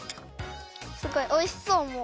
すごいおいしそうもう。